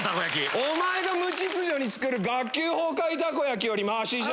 お前が無秩序に作る学級崩壊たこ焼きよりマシじゃない？